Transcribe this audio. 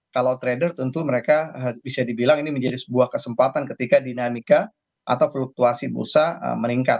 kalau trader tentu mereka bisa dibilang ini menjadi sebuah kesempatan ketika dinamika atau fluktuasi bursa meningkat